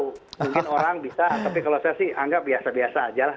mungkin orang bisa tapi kalau saya sih anggap biasa biasa aja lah